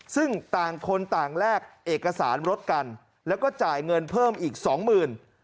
ซึ่งต่างคนต่างแลกเอกสารรถกันแล้วก็จ่ายเงินเพิ่มอีกสองหมื่น